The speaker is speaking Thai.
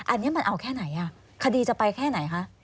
อันนี้มันเอาแค่ไหนคดีจะไปแค่ไหนคะ